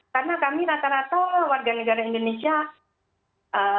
karena kami rata rata warga negara indonesia